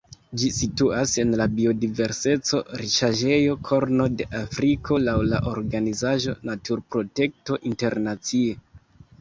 Ĝi situas en la biodiverseco-riĉaĵejo Korno de Afriko laŭ la organizaĵo Naturprotekto Internacie.